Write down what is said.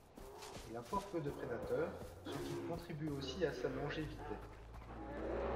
Il a fort peu de prédateurs, ce qui contribue aussi à sa longévité.